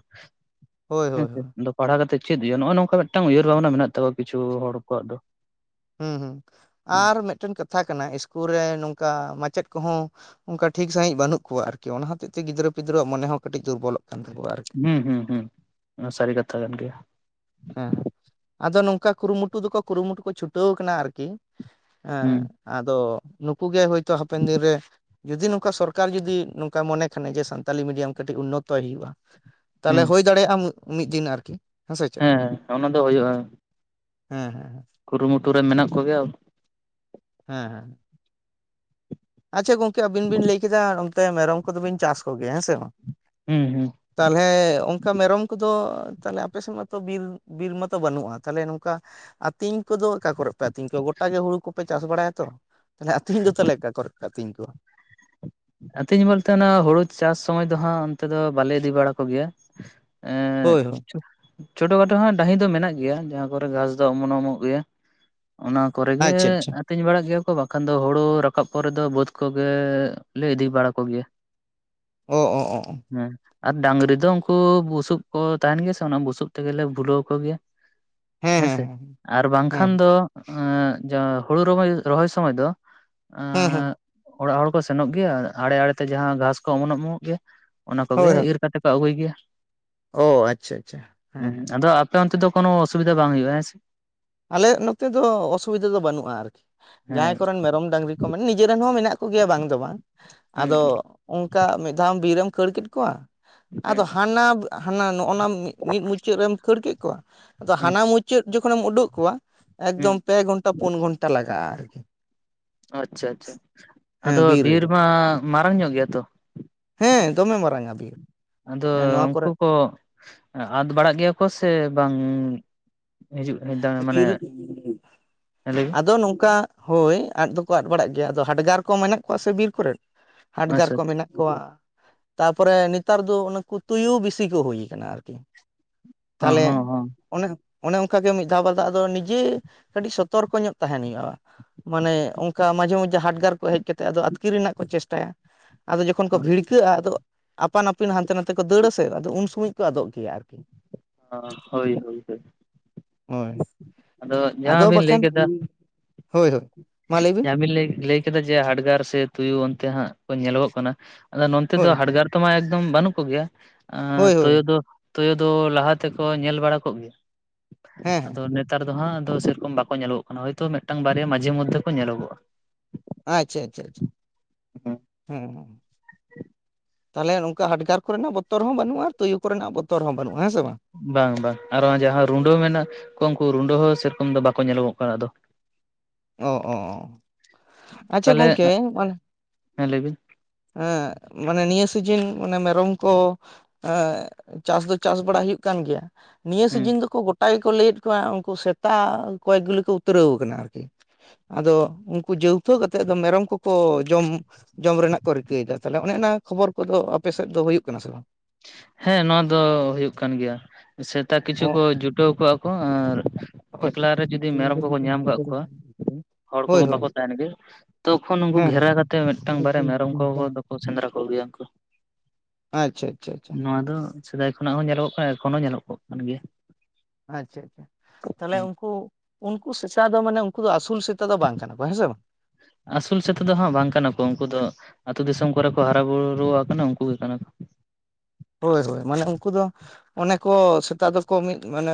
ᱦᱳᱭ ᱦᱳᱭ ᱦᱮᱸᱥᱮ ᱦᱳᱭ ᱾ [unintelligible] ᱯᱟᱲᱦᱟᱣ ᱠᱟᱛᱮ ᱪᱮᱫ ᱦᱩᱭᱩᱜᱼᱟ ᱱᱚᱜᱼᱚᱭ ᱱᱚᱝᱠᱟ ᱢᱤᱫᱴᱟᱝ ᱩᱭᱦᱟᱹᱨ ᱵᱷᱟᱵᱽᱱᱟ ᱢᱮᱱᱟᱜ ᱛᱟᱠᱚᱣᱟ ᱠᱤᱷᱩ ᱦᱚᱲ ᱠᱚᱣᱟᱜ ᱫᱚ ᱾ ᱦᱩᱸ ᱦᱩᱸ, ᱟᱨ ᱢᱤᱫᱴᱮᱱ ᱠᱟᱛᱷᱟ ᱠᱟᱱᱟ ᱤᱥᱠᱩᱞ ᱨᱮ ᱱᱚᱝᱠᱟ ᱢᱟᱪᱮᱫ ᱠᱚᱦᱚᱸ ᱚᱱᱠᱟ ᱴᱷᱤᱠ ᱥᱟᱹᱦᱤᱡ ᱵᱟᱹᱱᱩᱜ ᱠᱚᱣᱟ ᱟᱨᱠᱤ ᱚᱱᱟ ᱦᱚᱛᱮᱡ ᱛᱮ ᱜᱤᱫᱽᱨᱟᱹ ᱯᱤᱫᱽᱨᱟᱹ ᱢᱚᱱᱮ ᱦᱚᱸ ᱠᱟᱹᱴᱤᱡ ᱫᱩᱨᱵᱚᱞᱚᱜ ᱠᱟᱱ ᱛᱟᱠᱚᱣᱟ ᱟᱨᱠᱤ ᱾ ᱦᱩᱸ ᱦᱩᱸ ᱦᱩᱸ, ᱥᱟᱹᱨᱤ ᱠᱟᱛᱷᱟ ᱠᱟᱱ ᱜᱮᱭᱟ ᱾ ᱦᱮᱸ ᱦᱮᱸ, ᱟᱫᱚ ᱱᱚᱝᱠᱟ ᱠᱩᱨᱩᱢᱩᱴᱩ ᱫᱚᱠᱚ ᱠᱩᱨᱩᱢᱩᱴᱩ ᱠᱚ ᱪᱷᱩᱴᱟᱹᱣ ᱠᱟᱱᱟ ᱟᱨᱠᱤ ᱾ ᱦᱮᱸ ᱦᱩᱸ ᱟᱫᱚ ᱱᱩᱠᱩ ᱜᱮ ᱦᱚᱭᱛᱳ ᱦᱟᱯᱮᱱ ᱫᱤᱱᱨᱮ ᱾ ᱡᱩᱫᱤ ᱱᱚᱝᱠᱟ ᱥᱚᱨᱠᱟᱨ ᱡᱩᱫᱤ ᱱᱚᱝᱠᱟ ᱢᱚᱱᱮ ᱠᱷᱟᱱᱮ, ᱡᱮ ᱥᱟᱱᱛᱟᱞᱤ ᱢᱤᱰᱤᱭᱟᱢ ᱠᱟᱹᱴᱤᱡ ᱩᱱᱱᱚᱛᱚᱭ ᱦᱩᱭᱩᱜᱼᱟ ᱾ ᱛᱟᱦᱚᱞᱮ ᱦᱩᱸ ᱦᱩᱭ ᱫᱟᱲᱮᱭᱟᱜᱼᱟ ᱢᱤᱫ ᱫᱤᱱ ᱟᱨᱠᱤ᱾ ᱥᱮ ᱪᱮᱫ ᱦᱮᱸ ᱚᱱᱟ ᱫᱚ ᱦᱩᱭᱩᱜᱼᱟ ᱾ ᱦᱮᱸ ᱦᱮᱸ ᱦᱮᱸ᱾ ᱠᱩᱨᱩᱢᱩᱴᱩ ᱨᱮ ᱢᱮᱱᱟᱜ ᱠᱚᱜᱮᱭᱟ ᱾ ᱦᱮᱸ ᱦᱮᱸ᱾ ᱟᱪᱪᱷᱟ ᱜᱚᱝᱠᱮ ᱟᱵᱤᱱ ᱵᱤᱱ ᱞᱟᱹᱭ ᱠᱮᱫᱟ ᱚᱱᱛᱮ ᱢᱮᱨᱚᱢ ᱠᱚᱫᱚ ᱵᱤᱱ ᱪᱟᱥ ᱠᱚᱜᱮᱭᱟ ᱦᱮᱸ ᱥᱮ ᱵᱟᱝ ᱦᱩᱸ ᱦᱩᱸ ᱾ ᱛᱟᱦᱞᱮ ᱚᱱᱠᱟ ᱢᱮᱨᱚᱢ ᱠᱚᱫᱚᱼᱼ ᱛᱟᱦᱞᱮ ᱟᱯᱮᱥᱮᱫ ᱢᱟᱛᱚ ᱵᱤᱞ ᱵᱤᱨ ᱢᱟᱛᱚ ᱵᱟᱹᱱᱩᱜᱼᱟ ᱛᱟᱦᱞᱮ ᱱᱚᱝᱠᱟ ᱟᱹᱛᱤᱧ ᱠᱚᱫᱚ ᱚᱠᱟ ᱠᱚᱨᱮᱜ ᱯᱮ ᱟᱹᱛᱤᱧ ᱠᱚᱣᱟ, ᱜᱚᱴᱟ ᱜᱮ ᱦᱩᱲᱩ ᱠᱚᱯᱮ ᱪᱟᱥ ᱵᱟᱲᱟᱭᱟ ᱛᱚ ᱛᱟᱦᱞᱮ ᱟᱛᱤᱧ ᱫᱚ ᱛᱟᱦᱞᱮ ᱚᱠᱟ ᱠᱚᱨᱮ ᱯᱮ ᱟᱹᱛᱤᱧ ᱠᱚᱣᱟ? ᱟᱛᱤᱧ ᱵᱚᱞᱛᱮ ᱚᱱᱟ ᱦᱩᱲᱩ ᱪᱟᱥ ᱥᱚᱢᱚᱭ ᱫᱚ ᱦᱟᱸᱜ ᱚᱱᱛᱮ ᱫᱚ ᱵᱟᱞᱮ ᱤᱫᱤ ᱵᱟᱲᱟ ᱠᱚᱜᱮᱭᱟ ᱾ ᱮᱸᱻ ᱦᱳᱭ ᱦᱳᱭ ᱠᱤᱪᱷᱩᱼᱼ ᱪᱷᱳᱴᱳ ᱠᱷᱟᱴᱳ ᱦᱚᱸ ᱰᱟᱹᱦᱤ ᱫᱚ ᱢᱮᱱᱟᱜ ᱜᱮᱭᱟ, ᱡᱟᱦᱟᱸ ᱠᱚᱨᱮ ᱜᱷᱟᱸᱥ ᱫᱚ ᱚᱢᱚᱱ ᱚᱢᱚᱱᱚᱜ ᱜᱮᱭᱟ ᱾ ᱚᱱᱟ ᱠᱚᱨᱮ ᱜᱮ ᱟᱪᱪᱷᱟ ᱟᱪᱪᱷᱟ ᱟᱹᱛᱤᱧ ᱵᱟᱲᱟᱜ ᱜᱮᱭᱟ ᱠᱚ, ᱵᱟᱠᱷᱟᱱ ᱫᱚ ᱦᱩᱲᱩ ᱨᱟᱠᱟᱵ ᱯᱚᱨᱮ ᱫᱚ ᱵᱟᱹᱫᱽ ᱠᱚᱜᱮ ᱞᱮ ᱤᱫᱤ ᱵᱟᱲᱟ ᱠᱚᱜᱮᱭᱟ ᱾ ᱚ ᱚ ᱚ ᱚ ᱾ ᱟᱨ ᱰᱟᱝᱨᱤ ᱫᱚ ᱩᱱᱠᱩ ᱵᱩᱥᱩᱯ ᱠᱚ ᱛᱟᱸᱦᱮᱱ ᱜᱮᱭᱟ ᱥᱮ ᱚᱱᱟ ᱵᱩᱥᱩᱵ ᱛᱮᱜᱮ ᱞᱮ ᱵᱷᱩᱞᱟᱹᱣ ᱠᱚᱜᱮᱭᱟ ᱾ ᱦᱮᱸ ᱦᱮᱸ ᱦᱮᱸᱥᱮ, ᱟᱨ ᱦᱮᱸ ᱵᱟᱝᱠᱷᱟᱱ ᱫᱚᱼᱼ ᱮᱸ ᱡᱟ ᱦᱩᱲᱩ ᱨᱚᱦᱚᱭ ᱨᱚᱦᱚᱭ ᱥᱚᱢᱚᱭ ᱫᱚ ᱮᱜᱼᱼ ᱦᱮᱸ ᱦᱮᱸ ᱾ ᱚᱲᱟᱜ ᱦᱚᱲ ᱠᱚ ᱥᱮᱱᱚᱜ ᱜᱮᱭᱟ ᱟᱲᱮ ᱟᱲᱮ ᱛᱮ ᱡᱟᱦᱟᱸ ᱜᱷᱟᱸᱥ ᱠᱚ ᱚᱢᱚᱱ ᱚᱢᱚᱱᱚᱜ ᱜᱮᱭᱟ ᱚᱱᱟ ᱠᱚᱜᱮ ᱦᱳᱭ ᱦᱳᱭ ᱤᱨ ᱠᱟᱛᱮ ᱠᱚ ᱟᱜᱩᱭ ᱜᱮᱭᱟ ᱚ ᱟᱪᱪᱷᱟ ᱟᱪᱪᱷᱟ ᱦᱮᱸ ᱦᱮᱸ ᱾ ᱟᱫᱚ ᱟᱯ ᱟᱯᱮ ᱚᱱᱛᱮ ᱫᱚ ᱠᱳᱱᱳ ᱚᱥᱩᱵᱤᱫᱷᱟ ᱵᱟᱝ ᱦᱩᱭᱩᱜᱼᱟ ᱦᱮᱸ ᱥᱮ? ᱟᱞᱮᱜ ᱱᱚᱛᱮ ᱫᱚ ᱚᱥᱩᱵᱤᱫᱷᱟ ᱫᱚ ᱵᱟᱹᱱᱩᱜᱼᱟ, ᱟᱨᱠᱤ ᱦᱮᱸ ᱡᱟᱦᱟᱸᱭ ᱠᱚᱨᱮᱱ ᱢᱮᱨᱚᱢ ᱰᱟᱝᱨᱤ ᱠᱚ ᱢᱮᱱ ᱱᱤᱡᱮ ᱨᱮᱱ ᱦᱚᱸ ᱢᱮᱱᱟᱜ ᱠᱚ ᱜᱮᱭᱟ ᱵᱟᱝ ᱫᱚ ᱵᱟᱝ, ᱦᱩᱸ ᱟᱫᱚ ᱚᱱᱠᱟ ᱢᱤᱫ ᱫᱷᱟᱣ ᱵᱤᱨᱮᱢ ᱠᱷᱟᱹᱲ ᱠᱮᱫ ᱠᱚᱣᱟᱼᱼ ᱦᱩᱸ ᱟᱫᱚ ᱦᱟᱱᱟ ᱦᱟᱱᱟ ᱱᱚᱜᱼᱚ ᱱᱟ ᱢᱤᱫ ᱢᱩᱪᱟᱹᱫ ᱨᱮᱢ ᱠᱷᱟᱹᱲ ᱠᱮᱫ ᱠᱚᱣᱟ, ᱟᱫᱚ ᱦᱩᱸ ᱦᱩᱸ ᱦᱟᱱᱟ ᱢᱩᱪᱟᱹᱫ ᱡᱚᱠᱷᱚ ᱱᱮᱢ ᱩᱰᱩᱠ ᱠᱚᱣᱟ ᱦᱩᱸ ᱮᱠᱫᱚᱢ ᱯᱮ ᱜᱷᱚᱱᱴᱟ ᱯᱩᱱ ᱜᱷᱚᱱᱴᱟ ᱞᱟᱜᱟᱜᱼᱟ ᱟᱨᱠᱤ ᱾ ᱟᱪᱪᱷᱟ ᱟᱪᱪᱷᱟ᱾ [inaudible] ᱟᱫᱚ ᱵᱤᱨ ᱨᱮᱜᱮ ᱢᱟ ᱢᱟᱨᱟᱝ ᱧᱚᱜ ᱜᱮᱭᱟ ᱛᱚ? ᱦᱮᱸ ᱫᱚᱢᱮ ᱢᱟᱨᱟᱝᱟ ᱵᱤᱨ [inaudible] ᱟᱫᱚ ᱦᱮᱸ ᱱᱚᱣᱟ ᱩᱱᱠᱩ ᱠᱚᱨᱮ ᱠᱚ ᱟᱫᱽ ᱵᱟᱲᱟᱜ ᱜᱮᱭᱟ ᱠᱚ ᱥᱮ ᱵᱟᱝ? ᱦᱤᱡᱩᱜ ᱢᱟᱱᱮ ᱵᱤᱨ [unintelligible] ᱞᱟᱹᱭ ᱟᱫᱚ ᱱᱚᱝᱠᱟ ᱦᱳᱭ ᱟᱫ ᱫᱚᱠᱚ ᱟᱫ ᱵᱟᱲᱟᱜ ᱜᱮᱭᱟ ᱾ ᱟᱫᱚ ᱦᱟᱰᱜᱟᱨ ᱠᱚ ᱢᱮᱱᱟᱜ ᱠᱚᱣᱟ ᱥᱮ ᱵᱤᱨ ᱠᱚᱨᱮ, ᱦᱟᱰᱜᱟᱨ ᱟᱪᱪᱷᱟ ᱠᱚ ᱢᱮᱱᱟᱜ ᱠᱚᱣᱟ ᱾ ᱛᱟᱯᱚᱨᱮ ᱱᱮᱛᱟᱨ ᱫᱚ ᱱᱩᱠᱩ ᱛᱩᱭᱩ ᱵᱮᱥᱤ ᱠᱚ ᱦᱩᱭ ᱟᱠᱟᱱᱟ ᱟᱨᱠᱤ᱾ ᱟᱪᱪᱷᱟ ᱦᱚᱸ ᱛᱟᱦᱚᱞᱮ ᱦᱚᱸ ᱦᱚᱸ ᱚᱱᱮ ᱚᱱᱮ ᱚᱝ ᱠᱟ ᱜᱮ ᱢᱤᱫ ᱫᱷᱟᱣ ᱵᱟᱨ ᱫᱷᱟᱣ ᱟᱫᱚ ᱱᱤᱡᱮ ᱠᱟᱹᱴᱤᱡ ᱥᱚᱛᱚᱨ ᱠᱚ ᱧᱚᱜ ᱛᱟᱸᱦᱮᱱ ᱦᱩᱭᱩᱜ-ᱟ ᱾ ᱢᱟᱱᱮ ᱚᱱᱠᱟ ᱢᱟᱡᱷᱮ ᱢᱚᱫᱽᱫᱷᱮ ᱦᱟᱰᱜᱟᱨ ᱠᱚ ᱦᱮᱡ ᱠᱟᱛᱮᱫ ᱟᱫᱚ ᱟᱹᱛᱠᱤᱨ ᱨᱮᱱᱟᱜ ᱠᱚ ᱪᱮᱥᱴᱟᱭᱟ᱾ ᱟᱫᱚ ᱡᱚᱠᱷᱚᱱ ᱠᱚ ᱵᱷᱤᱲᱠᱟᱹᱜ-ᱟ ᱟᱫᱚ ᱟᱯᱟᱱ ᱟᱹᱯᱤᱱ ᱦᱟᱱᱛᱮ-ᱱᱷᱟᱛᱮ ᱠᱚ ᱫᱟᱹᱲ ᱟᱥᱮ ᱟᱫᱚ ᱩᱱ ᱥᱚᱢᱚᱭ ᱠᱚ ᱟᱫᱚᱜ ᱜᱮᱭᱟ ᱟᱨᱠᱤ᱾ ᱟᱸ ᱦᱳᱭ ᱦᱳᱭ ᱦᱳᱭ ᱾ ᱦᱳᱭ ᱾ [inaudible] ᱡᱟᱦᱟᱸ ᱟᱫᱚ ᱵᱤᱱ ᱞᱟᱹᱭ ᱵᱟᱠᱷᱟᱱ ᱠᱮᱫᱟ [inaudible] ᱦᱳᱭ ᱦᱳᱭ ᱾ ᱡᱟᱦᱟᱸ ᱵᱤᱱ ᱞᱟᱹᱭ ᱞᱟᱹᱭ ᱠᱮᱫᱟ ᱡᱮ ᱦᱟᱰᱜᱟᱨ ᱥᱮ ᱛᱩᱭᱩ ᱚᱱᱛᱮ ᱦᱟᱸᱜ ᱠᱚ ᱧᱮᱞᱚᱜᱚᱜ ᱠᱟᱱᱟ ᱟᱫᱚ ᱱᱚᱱᱛᱮ ᱫᱚ ᱦᱳᱭ ᱦᱟᱰᱜᱟᱨ ᱛᱚᱢᱟ ᱮᱠᱫᱚᱢ ᱵᱟᱹᱱᱩᱜ ᱠᱚᱜᱮᱭᱟ, ᱟᱻ ᱦᱳᱭ ᱦᱳᱭ ᱛᱳᱭᱳ ᱫᱚ ᱛᱳᱭᱳ ᱫᱚ ᱞᱟᱦᱟ ᱛᱮᱠᱚ ᱧᱮᱞ ᱵᱟᱲᱟ ᱠᱚᱜ ᱜᱮ, ᱦᱮᱸ [inaudible] ᱦᱮᱸ ᱟᱫᱚ ᱱᱮᱛ ᱱᱮᱛᱟᱨ ᱫᱚ ᱦᱟᱸᱜ ᱥᱮᱨᱚᱠᱚᱢ ᱵᱟᱠᱚ ᱧᱮᱞᱚᱜᱚᱜ ᱠᱟᱱᱟ ᱦᱳᱭᱛᱚ ᱢᱤᱫᱴᱟᱝ ᱵᱟᱨᱭᱟ ᱢᱟᱡᱷᱮ ᱢᱚᱫᱽᱷᱮ ᱠᱚ ᱧᱮᱞᱚᱜᱚ-ᱟ ᱾ ᱟᱪᱪᱷᱟ ᱟᱪᱪᱷᱟ ᱟᱪᱪᱷᱟ ᱾ [inaudible] ᱦᱩᱸ ᱾ [inaudible] ᱛᱟᱦᱚᱞᱮ ᱱᱚᱝᱠᱟ ᱦᱟᱰᱜᱟᱨ ᱠᱚᱨᱮᱱᱟᱜ ᱵᱚᱛᱚᱨ ᱦᱚᱸ ᱵᱟᱹᱱᱩᱜ-ᱟ ᱛᱩᱭᱩ ᱠᱚᱨᱮᱱᱟᱜ ᱵᱚᱛᱚᱨ ᱦᱚᱸ ᱵᱟᱹᱱᱩᱜ-ᱟ ᱦᱮᱸ ᱥᱮ ᱵᱟᱝ ᱾ ᱵᱟᱝ ᱵᱟᱝ ᱟᱨᱦᱚᱸ ᱡᱟᱦᱟᱸ ᱨᱩᱰᱟᱹ ᱢᱮᱱᱟᱜ ᱠᱚ ᱩᱱᱠᱩ ᱨᱩᱰᱟᱹ ᱦᱚᱸ ᱥᱮᱨᱚᱠᱚᱢ ᱫᱚ ᱵᱟᱠᱚ ᱧᱮᱞᱚᱜᱚᱜ ᱠᱟᱱᱟ ᱟᱫᱚ ᱾ [inaudible] ᱚ ᱚ ᱚ [inaudible] ᱟᱪᱪᱷᱟ ᱛᱟᱦᱚᱞᱮ ᱜᱚᱝᱠᱮ ᱢᱟᱱᱮ ᱦᱮᱸ ᱞᱟᱹᱭ ᱵᱤᱱ ᱾ ᱦᱮᱸ ᱢᱟᱱᱮ ᱱᱤᱭᱟᱹ ᱥᱤᱡᱤᱱ ᱚᱱᱮ ᱢᱮᱨᱚᱢ ᱠᱚ ᱮᱸ ᱪᱟᱥ ᱫᱚ ᱪᱟᱥ ᱵᱟᱲᱟ ᱦᱩᱭᱩᱜ ᱠᱟᱱ ᱜᱮᱭᱟ ᱾ ᱱᱤᱭᱟᱹ ᱦᱩᱸ ᱥᱤᱡᱤᱱ ᱫᱩᱠᱩ ᱜᱚ ᱴᱟ ᱜᱮᱠᱚ ᱞᱟᱹᱭᱮᱫ ᱠᱚᱣᱟ ᱩᱱᱠᱩ ᱥᱮᱛᱟ ᱠᱚᱭᱮᱠ ᱜᱩᱞᱤ ᱠᱚ ᱩᱛᱨᱟᱹᱣ ᱟᱠᱟᱱᱟ ᱟᱨᱠᱤ ᱾ ᱟᱫᱚ ᱩᱱᱠᱩ ᱡᱟᱹᱣᱛᱷᱳ ᱠᱟᱛᱮᱫ ᱟᱫᱚ ᱢᱮᱨᱚᱢ ᱠᱚᱠᱚ ᱡᱚᱢ ᱡᱚᱢ ᱨᱮᱱᱟᱜ ᱠᱚ ᱨᱤᱠᱟᱹᱭ ᱮᱫᱟ, ᱛᱟᱦᱞᱮ ᱚᱱᱮ ᱚᱱᱟ ᱠᱷᱚᱵᱚᱨ ᱠᱚᱫᱚ ᱟᱯᱮ ᱥᱮᱫ ᱫᱚ ᱦᱩᱭᱩᱜ ᱠᱟᱱᱟ ᱥᱮ ᱵᱟᱝ? ᱦᱮᱸ ᱱᱚᱣᱟ ᱫᱚ ᱦᱩᱭᱩᱜ ᱠᱟᱱ ᱜᱮᱭᱟ ᱾ ᱥᱮᱛᱟ ᱚ ᱠᱤᱪᱷᱩ ᱠᱩ ᱡᱩᱴᱟᱹᱣ ᱠᱚᱜ-ᱟ ᱠᱚ ᱟᱨ ᱮᱠᱞᱟ ᱨᱮ ᱡᱩᱫᱤ ᱢᱮᱨᱚᱢ ᱠᱚᱠᱚ ᱧᱟᱢ ᱠᱟᱜ ᱠᱚᱣᱟ ᱦᱚᱲ ᱦᱳᱭ ᱦᱳᱭ ᱠᱚᱠᱚ ᱦᱳᱭ ᱵᱟᱠᱚ ᱛᱟᱦᱮᱱ ᱜᱮ ᱛᱚᱠᱷᱚᱱ ᱩᱱᱠᱩ ᱦᱮᱸ ᱜᱷᱮᱨᱟ ᱠᱟᱛᱮᱫ ᱢᱤᱫᱴᱟᱝ ᱵᱟᱨᱭᱟ ᱢᱮᱨᱚᱢ ᱠᱚᱠᱚ ᱫᱚᱠᱚ ᱥᱮᱸᱫᱽᱨᱟ ᱠᱚᱜᱮᱭᱟ ᱩᱱᱠᱩ ᱾ ᱟᱪᱪᱷᱟ ᱟᱪᱪᱷᱟ ᱾ ᱱᱚᱣᱟ ᱫᱚ ᱥᱮᱫᱟᱭ ᱠᱷᱚᱱᱟᱜ ᱦᱚᱸ ᱧᱮᱞᱚᱜᱚᱜ ᱠᱟᱱᱟ ᱮᱠᱷᱚᱱᱳᱣ ᱧᱮᱞᱚᱜᱚᱜ ᱠᱟᱱ ᱜᱮᱭᱟ ᱾ ᱟᱪᱪᱷᱟ ᱟᱪᱪᱷᱟ ᱾ ᱛᱟᱦᱚᱞᱮ ᱦᱮᱸ ᱩᱱᱠᱩ ᱩᱱᱠᱩ ᱥᱮᱪᱟ ᱫᱚ ᱢᱟᱱᱮ ᱩᱱᱠᱩ ᱫᱚ ᱟᱹᱥᱩᱞ ᱥᱮᱛᱟ ᱫᱚ ᱵᱟᱝ ᱠᱟᱱᱟ ᱠᱚ ᱦᱮᱸ ᱥᱮ ᱵᱟᱝ ᱾ ᱟᱥᱩᱞ ᱥᱮᱛᱟ ᱫᱚ ᱦᱟᱸᱜ ᱵᱟᱝ ᱠᱟᱱᱟ ᱠᱚ, ᱩᱱᱠᱩ ᱫᱚ ᱟᱹᱛᱩᱩ ᱫᱤᱥᱳᱢ ᱠᱚᱨᱮ ᱠᱚ ᱦᱟᱨᱟ ᱵᱩᱨᱩ ᱟᱠᱟᱱᱟ ᱩᱱᱠᱩ ᱜᱮ ᱠᱟᱱᱟ ᱠᱩ ᱾ ᱦᱳᱭ ᱦᱳᱭ ᱢᱟᱱᱮ ᱩᱱᱠᱩ ᱫᱚ ᱚᱱᱮ ᱠᱚ ᱥᱮᱛᱟᱜ ᱫᱚᱠᱚ ᱢᱤᱫ ᱢᱟᱱᱮ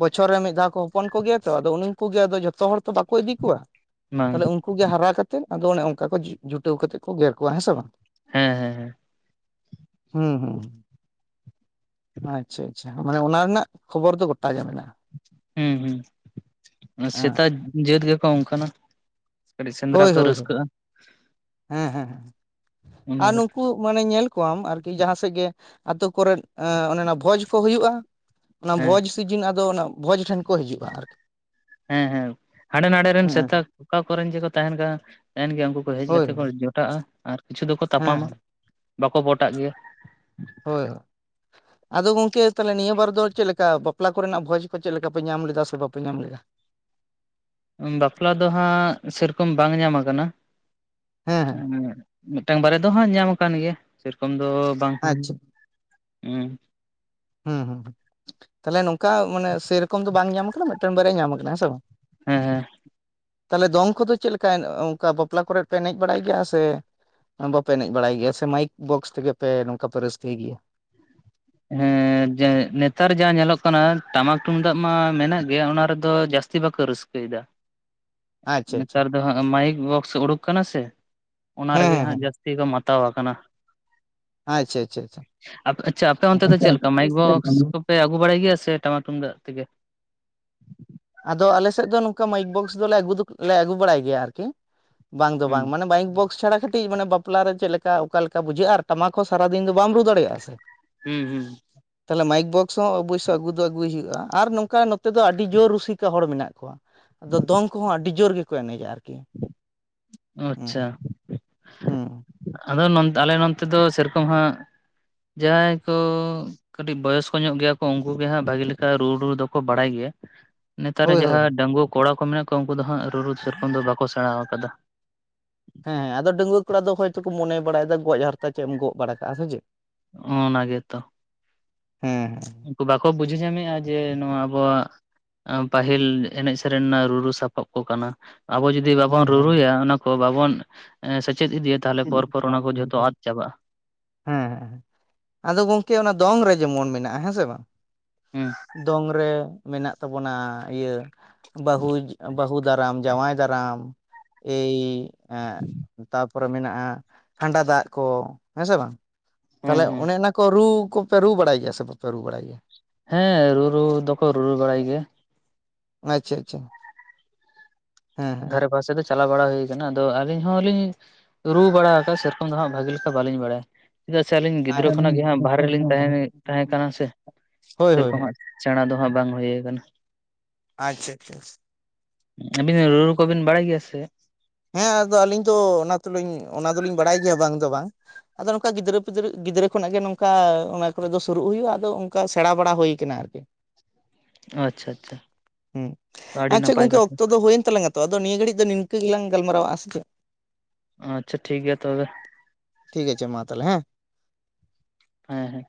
ᱵᱚᱪᱷᱚᱨ ᱨᱮ ᱢᱤᱫ ᱫᱷᱟᱣ ᱠᱚ ᱦᱚᱯᱚᱱ ᱠᱚᱜᱮᱭᱟ ᱛᱚ ᱾ ᱟᱫᱚ ᱩᱱᱩ ᱩᱱᱠᱩ ᱜᱮ ᱟᱫᱚ ᱡᱷᱚᱛᱚ ᱦᱚᱲ ᱛᱚ ᱵᱟᱠᱚ ᱤᱫᱤ ᱠᱚᱣᱟ ᱾ ᱵᱟᱝ ᱛᱟᱦᱞᱮ ᱩᱱᱠᱩ ᱜᱮ ᱦᱟᱨᱟ ᱠᱟᱛᱮᱫ ᱟᱫᱚ ᱚᱱᱮ ᱚᱱᱠᱟ ᱠᱚ ᱡᱩᱴᱟᱹᱣ ᱠᱟᱛᱮᱜ ᱠᱚ ᱜᱮᱨ ᱠᱚᱣᱟ ᱦᱮᱸ ᱥᱮ ᱵᱟᱝ ᱾ ᱦᱮᱸ ᱦᱮᱸ ᱦᱮᱸ ᱾ ᱦᱩᱸ ᱦᱩᱸ ᱾ ᱟᱪᱪᱷᱟ ᱟᱪᱪᱷᱟ, ᱢᱟᱱᱮ ᱚᱱᱟ ᱨᱮᱱᱟᱜ ᱠᱷᱚᱵᱚᱨ ᱫᱚ ᱜᱚᱴᱟ ᱜᱮ ᱢᱮᱱᱟᱜ-ᱟ ᱾ ᱦᱩᱸ ᱦᱩᱸ [inaudible] ᱦᱮᱸ ᱥᱮᱛᱟ ᱡᱟᱹᱛ ᱜᱮᱠᱚ ᱚᱱᱠᱟᱱᱟ ᱾ ᱦᱳᱭ ᱦᱳᱭ ᱦᱳᱭ᱾ [inaudible] ᱦᱮᱸ ᱦᱮᱸ ᱚᱱᱟ ᱟᱨ ᱠᱷᱟᱹᱛᱤᱨ ᱱᱩᱠᱩ ᱢᱟᱱᱮ ᱧᱮᱞ ᱠᱚᱣᱟᱢ ᱟᱨᱠᱤ ᱡᱟᱦᱟᱸ ᱥᱮᱫ ᱜᱮ ᱟᱛᱳ ᱠᱚᱨᱮ ᱚᱱᱮ ᱚᱱᱟ ᱵᱷᱚᱡᱽ ᱠᱚ ᱦᱩᱭᱩᱜ-ᱟ ᱚᱱᱟ ᱦᱮᱸ ᱵᱷᱚᱡᱽ ᱥᱤᱡᱤᱱ ᱟᱫᱚ ᱚᱱᱟ ᱵᱷᱚᱡᱽ ᱴᱷᱮᱱ ᱠᱚ ᱦᱤᱡᱩᱜᱼᱟ ᱟᱨᱠᱤ ᱦᱮᱸᱻᱦᱮᱸᱻ ᱦᱟᱸᱰᱮ ᱱᱟᱸᱰᱮ ᱨᱮᱱ ᱦᱮᱸ ᱥᱮᱛᱟ ᱚᱠᱟ ᱠᱚᱨᱮᱱ ᱪᱚᱠᱚ ᱛᱟᱦᱮᱱ ᱠᱟᱱᱟ ᱛᱟᱦᱮᱱ ᱜᱮᱭᱟ ᱩᱱᱠᱩ ᱠᱚ ᱦᱮᱡ ᱦᱳᱭ ᱠᱟᱛᱮᱡ ᱠᱚ ᱡᱚᱴᱟᱜᱼᱟ ᱟᱨ ᱠᱤᱪᱷᱩ ᱫᱚᱠᱚ ᱛᱟᱯᱟᱢᱟ ᱦᱮᱸ ᱵᱟᱠᱚ ᱯᱚᱴᱟᱜ ᱜᱮᱭᱟ ᱦᱳᱭ ᱭᱳ ᱟᱫᱚ ᱜᱚᱝᱠᱮ ᱛᱟᱦᱚᱞᱮ ᱱᱤᱭᱟᱹ ᱵᱟᱨ ᱫᱚ ᱪᱮᱫ ᱞᱮᱠᱟ ᱵᱟᱯᱞᱟ ᱠᱚᱨᱮᱱᱟᱜ ᱵᱷᱚᱡᱽ ᱠᱚ ᱪᱮᱫ ᱞᱮᱠᱟ ᱯᱮ ᱧᱟᱢ ᱞᱮᱫᱟ ᱥᱮ ᱵᱟᱯᱮ ᱧᱟᱢ ᱞᱮᱫᱟ ᱵᱟᱯᱞᱟ ᱫᱚ ᱦᱟᱸᱜ ᱥᱮᱨᱚᱠᱚᱢ ᱵᱟᱝ ᱧᱟᱢ ᱟᱠᱟᱱᱟ᱾ ᱦᱮᱸ ᱦᱮᱸ ᱮᱸ ᱢᱤᱫᱴᱟᱝ ᱵᱟᱨᱭᱟ ᱫᱚ ᱦᱟᱸᱜ ᱧᱟᱢ ᱟᱠᱟᱱ ᱜᱮᱭᱟ ᱥᱮᱨᱚᱠᱚᱢ ᱫᱚ ᱵᱟᱝ ᱟᱪᱪᱷᱟ ᱩᱸ ᱦᱩᱸ ᱦᱩᱸ ᱛᱟᱦᱞᱮ ᱱᱚᱝᱠᱟ ᱢᱟᱱᱮ ᱥᱮᱨᱚᱠᱚᱢ ᱫᱚ ᱵᱟᱝ ᱧᱟᱢ ᱟᱠᱟᱱᱟ ᱢᱤᱫᱴᱟᱝ ᱵᱟᱨᱭᱟ ᱧᱟᱢ ᱟᱠᱟᱱᱟ ᱦᱮᱸ ᱥᱮ ᱵᱟᱝ ᱦᱮᱸ ᱦᱮᱸ ᱛᱟᱦᱞᱮ ᱫᱚᱝ ᱠᱚᱫᱚ ᱪᱮᱫ ᱞᱮᱠᱟ ᱚᱝᱠᱟ ᱵᱟᱯᱞᱟ ᱠᱚᱨᱮ ᱯᱮ ᱮᱱᱮᱡ ᱵᱟᱲᱟᱭ ᱜᱮᱭᱟ ᱥᱮ ᱵᱟᱯᱮ ᱮᱱᱮᱡ ᱵᱟᱲᱟᱭ ᱜᱮᱭᱟ ᱥᱮ ᱢᱟᱭᱤᱠ ᱵᱚᱠᱥ ᱛᱮᱜᱮ ᱯᱮ ᱱᱚᱝᱠᱟ ᱯᱮ ᱨᱟᱹᱥᱠᱟᱹᱭ ᱜᱮᱭᱟ ᱦᱮᱸ ᱡᱮ ᱱᱮᱛᱟᱨ ᱡᱟᱦᱟᱸ ᱧᱮᱞᱚᱜ ᱠᱟᱱᱟ ᱴᱟᱢᱟᱠ ᱛᱩᱢᱫᱟᱜ ᱢᱟ ᱢᱮᱱᱟᱜ ᱜᱮᱭᱟ ᱚᱱᱟ ᱨᱮᱫᱚ ᱡᱟᱹᱥᱛᱤ ᱵᱟᱠᱚ ᱨᱟᱹᱥᱠᱟᱹᱭᱮᱫᱟ [inaudible] ᱟᱪᱪᱷᱟ ᱟᱪᱪᱷᱟ ᱱᱮᱛᱟᱨ ᱫᱚ ᱦᱟᱸᱜ ᱢᱟᱭᱤᱠ ᱵᱚᱠᱥ ᱩᱰᱩᱠ ᱠᱟᱱᱟ ᱥᱮ ᱚᱱᱟ ᱦᱮᱸ ᱨᱮᱜᱮ ᱦᱮᱸ ᱦᱟᱸᱜ ᱦᱮᱸ ᱡᱟᱹᱥᱛᱤ ᱠᱚ ᱢᱟᱛ ᱛᱟᱣ ᱟᱠᱟᱱᱟ᱾ ᱟᱪᱪᱷᱟ ᱟᱪᱪᱷᱟ ᱟᱪᱷᱟ ᱟᱪᱷᱟ ᱛᱚ ᱚᱱᱛᱮ ᱫᱚ ᱪᱮᱫ ᱞᱮᱠᱟ ᱢᱟᱭᱤᱠ ᱵᱚᱠᱥ ᱠᱚᱯᱮ ᱟᱹᱜᱩ ᱵᱟᱲᱟᱭ ᱜᱮᱭᱟ ᱥᱮ ᱴᱟᱢᱟᱠ ᱛᱩᱢᱫᱟᱜ ᱛᱮᱜᱮ ᱟᱫᱚ ᱟᱞᱮ ᱥᱮᱫ ᱫᱚ ᱱᱚᱝᱠᱟ ᱢᱟᱭᱤᱠ ᱵᱚᱠᱥ ᱫᱚᱞᱮ ᱟᱹᱜᱩ ᱫᱚᱞᱮ ᱟᱜᱩ ᱵᱟᱲᱟᱭ ᱜᱮᱭᱟ ᱟᱨᱠᱤ ᱵᱟᱝ ᱫᱚ ᱵᱟᱝ ᱦᱩᱸ ᱢᱟᱱᱮ ᱵᱟᱭᱤᱠ ᱵᱚᱠᱥ ᱪᱷᱟᱲᱟ ᱠᱟᱹᱴᱤᱡ ᱢᱟᱱᱮ ᱵᱟᱯᱞᱟ ᱨᱮ ᱪᱮᱫ ᱞᱮᱠᱟ ᱚᱠᱟ ᱞᱮᱠᱟ ᱵᱩᱡᱷᱟᱹᱜᱼᱟ ᱟᱨ ᱴᱟᱢᱟᱠ ᱦᱚᱸ ᱥᱟᱨᱟᱫᱤᱱ ᱫᱚ ᱵᱟᱢ ᱨᱩ ᱫᱟᱲᱮᱭᱟᱜᱼᱟ ᱥᱮ ᱦᱩᱸ ᱦᱩᱸ ᱛᱟᱦᱚᱞᱮ ᱢᱟᱭᱤᱠ ᱵᱚᱠᱥ ᱦᱚᱸ ᱚᱵᱚᱥᱥᱚ ᱟᱹᱜᱩ ᱫᱚ ᱟᱹᱜᱩᱭ ᱦᱩᱭᱩᱜᱼᱟ ᱟᱨ ᱱᱚᱝᱠᱟ ᱱᱚᱛᱮ ᱫᱚ ᱟᱹᱰᱤ ᱡᱚᱨ ᱨᱩᱥ ᱥᱤᱠᱟ ᱦᱚᱲ ᱢᱮᱱᱟᱜ ᱠᱚᱣᱟ ᱟᱫᱚ ᱫᱚᱝ ᱠᱚᱦᱚᱸ ᱟᱹᱰᱤ ᱡᱳᱨ ᱜᱮᱠᱚ ᱮᱱᱮᱡᱟ ᱟᱨᱠᱤ [unintelligible] ᱟᱪᱪᱷᱟ ᱦᱮᱸ ᱦᱩᱸ ᱟᱫᱚ ᱱᱚᱸᱛ ᱟᱞᱮ ᱱᱚᱸᱛᱮ ᱫᱚ ᱥᱮᱨᱚᱠᱚᱢ ᱦᱟᱸᱜ ᱡᱟᱦᱟᱸᱭ ᱠᱚ ᱠᱟᱹᱴᱤᱡ ᱵᱚᱭᱚᱥ ᱠᱚ ᱧᱚᱜ ᱜᱮᱭᱟ ᱠᱚ ᱩᱱᱠᱩ ᱜᱮ ᱦᱟᱸᱜ ᱵᱷᱟᱜᱮ ᱞᱮᱠᱟ ᱨᱩ ᱨᱩ ᱫᱚᱠᱚ ᱵᱟᱲᱟᱭ ᱜᱮᱭᱟ ᱱᱮᱛᱟᱨ ᱨᱮ ᱦᱳᱭ ᱦᱳᱭ ᱡᱟᱦᱟᱸ ᱰᱟᱺᱜᱩᱣᱟᱹ ᱠᱚᱲᱟ ᱠᱚ ᱢᱮᱱᱟᱜ ᱠᱚᱣᱟ ᱩᱱᱠᱩ ᱫᱚ ᱦᱟᱸᱜ ᱨᱩᱨᱩ ᱥᱮᱨᱚᱠᱚᱢ ᱫᱚ ᱵᱟᱠᱚ ᱥᱮᱬᱟᱣ ᱟᱠᱟᱫᱟ᱾ ᱦᱮᱸ ᱟᱫᱚ ᱰᱟᱺᱜᱩᱣᱟᱹ ᱠᱚᱲᱟ ᱫᱚ ᱦᱳᱭᱛᱚ ᱠᱚ ᱢᱚᱱᱮ ᱵᱟᱲᱟᱭᱮᱫᱟ ᱜᱚᱡ ᱦᱟᱨᱛᱟ ᱪᱮᱫ ᱮᱢ ᱜᱚᱜ ᱵᱟᱲᱟ ᱠᱟᱜᱼᱟ ᱥᱮ ᱪᱮᱫ ᱚᱱᱟ ᱜᱮᱛᱚ ᱦᱮᱸ ᱩᱱᱠᱩ ᱵᱟᱠᱚ ᱵᱩᱡᱷᱟᱹᱣ ᱧᱟᱢᱮᱫᱼᱟ ᱡᱮ ᱱᱚᱣᱟ ᱟᱵᱚᱣᱟᱜ ᱮᱸ ᱯᱟᱹᱦᱤᱞ ᱮᱱᱮᱡ ᱥᱮᱨᱮᱧ ᱨᱮᱱᱟᱜ ᱨᱩᱨᱩ ᱥᱟᱯᱟᱵ ᱠᱚ ᱠᱟᱱᱟ ᱟᱵᱚ ᱡᱩᱫ ᱡᱩᱫᱤ ᱵᱟᱵᱚᱱ ᱦᱮᱸ ᱦᱮᱸ ᱨᱩᱨᱩᱭᱟ ᱚᱱᱟ ᱠᱚ ᱵᱟᱵᱚᱱ ᱮᱸ ᱥᱮᱪᱮᱫ ᱤᱫᱤᱭᱟ ᱛᱟᱦᱚᱞᱮ ᱯᱚᱨ ᱯᱚᱨ ᱚᱱᱟ ᱠᱚ ᱡᱷᱚᱛᱚ ᱟᱫ ᱪᱟᱵᱟᱜᱼᱟ᱾ ᱦᱮᱸ ᱦᱮᱸ ᱟᱫᱚ ᱜᱚᱝᱠᱮ ᱚᱱᱟ ᱫᱚᱝ ᱨᱮ ᱡᱮᱢᱚᱱ ᱢᱮᱱᱟᱜᱼᱟ ᱦᱮᱸ ᱥᱮ ᱵᱟᱝ ᱦᱮᱸ ᱫᱚᱝ ᱨᱮ ᱢᱮᱱᱟᱜ ᱛᱟᱵᱚᱱᱟ ᱤᱭᱟᱹ ᱵᱟᱹᱦᱩ ᱵᱟᱹᱦᱩ ᱫᱟᱨᱟᱢ ᱡᱟᱶᱟᱭ ᱫᱟᱨᱟᱢ ᱮᱭ ᱮᱸ ᱛᱟᱯ ᱯᱚᱨᱮ ᱢᱮᱱᱟᱜᱼᱟ ᱠᱷᱟᱱᱰᱟ ᱫᱟᱜ ᱠᱚ ᱦᱮᱸ ᱥᱮ ᱵᱟᱝ ᱦᱮᱸ ᱛᱟᱦᱚᱞᱮ ᱚᱱᱮ ᱚᱱᱟ ᱠᱚ ᱨᱩ ᱠᱚ ᱯᱮ ᱨᱩ ᱵᱟᱲᱟᱭ ᱜᱮᱭᱟ ᱥᱮ ᱵᱟᱯᱮ ᱨᱩ ᱵᱟᱲᱟᱭ ᱜᱮᱭᱟ ᱦᱮᱸ ᱨᱩᱨᱩ ᱫᱚᱠᱚ ᱨᱩᱨᱩ ᱵᱟᱲᱟᱭ ᱜᱮᱭᱟ ᱟᱪᱪᱷᱟ ᱟᱪᱷᱟ ᱟᱪᱷᱟ ᱫᱷᱟᱨᱮ ᱯᱟᱥᱮ ᱫᱚ ᱪᱟᱞᱟᱣ ᱵᱟᱲᱟ ᱦᱩᱭ ᱟᱠᱟᱱᱟ ᱟᱫᱚ ᱟᱹᱞᱤᱧ ᱦᱚᱸᱞᱤᱧ ᱨᱩ ᱵᱟᱲᱟ ᱟᱠᱟᱫ ᱥᱮᱨᱚᱠᱚᱢ ᱫᱚ ᱦᱟᱸᱜ ᱵᱷᱟᱹᱜᱤ ᱞᱮᱠᱟ ᱵᱟᱹᱞᱤᱧ ᱵᱟᱲᱟᱭᱟ ᱪᱮᱫᱟᱜ ᱥᱮ ᱟᱹᱞᱤᱧ ᱜᱤᱫᱽᱨᱟᱹ ᱠᱷᱚᱱᱟᱜ ᱜᱮ ᱦᱟᱸᱜ ᱵᱟᱦᱨᱮ ᱟᱪᱪᱷᱟ ᱨᱮᱞᱤᱧ ᱛᱟᱦᱮ ᱛᱟᱦᱮᱸ ᱠᱟᱱᱟ ᱥᱮ ᱦᱳᱭ ᱦᱳᱭ ᱥᱮᱨᱚᱠᱚᱢ ᱦᱳᱭ ᱦᱟᱸᱜ ᱫᱟᱬᱟ ᱫᱚ ᱦᱟᱸᱜ ᱵᱟᱝ ᱦᱩᱭ ᱠᱟᱱᱟ ᱟᱪᱪᱷᱟ ᱟᱪᱪᱷᱟ [unintelligible] ᱨᱩ ᱨᱩ ᱠᱚᱵᱤᱱ ᱵᱟᱲᱟᱭ ᱜᱮᱭᱟ ᱥᱮ? ᱦᱮᱸ ᱟᱫᱚ ᱟᱹᱞᱤᱧ ᱛᱚ ᱚᱱᱟ ᱛᱚᱞᱤᱧ ᱚᱱᱟ ᱫᱚᱞᱤᱧ ᱵᱟᱲᱟᱭ ᱜᱮᱭᱟ ᱵᱟᱝ ᱫᱚ ᱵᱟᱝ ᱟᱫᱚ ᱱᱚᱝᱠᱟ ᱜᱤᱫᱽᱨᱟᱹ ᱯᱤᱫᱟᱹᱨ ᱜᱤᱫᱽᱨᱟᱹ ᱠᱷᱚᱱᱟᱜ ᱜᱮ ᱱᱚᱝᱠᱟ ᱚᱱᱟ ᱠᱚᱨᱮ ᱫᱚ ᱥᱩᱨᱩᱜ ᱦᱩᱭᱩᱜᱼᱟ ᱟᱫᱚ ᱚᱱᱠᱟ ᱥᱮᱬᱟ ᱵᱟᱲᱟ ᱦᱩᱭ ᱟᱠᱟᱱᱟ ᱟᱨᱠᱤ ᱟᱪᱪᱷᱟ ᱟᱪᱪᱷᱟ ᱟᱹᱰᱤ ᱟᱪᱪᱷᱟ ᱱᱟᱯᱟᱭ ᱜᱚᱝᱠᱮ ᱠᱟᱛᱷᱟ ᱚᱠᱛᱚ ᱫᱚ ᱦᱩᱭᱮᱱ ᱛᱟᱞᱟᱝᱟ᱾ ᱛᱚ ᱟᱫᱚ ᱱᱤᱭᱟᱹ ᱜᱷᱟᱹᱲᱤᱡ ᱫᱚ ᱱᱤᱝᱠᱟᱹ ᱜᱮᱞᱟᱝ ᱜᱟᱞᱢᱟᱨᱟᱣᱼᱟ ᱥᱮ ᱟᱪᱪᱷᱟ ᱴᱷᱤᱠ ᱜᱮᱭᱟ ᱛᱚᱵᱮ ᱴᱷᱤᱜᱟᱪᱷᱮ ᱢᱟ ᱛᱟᱦᱚᱞᱮ ᱦᱮᱸ ᱦᱩᱸ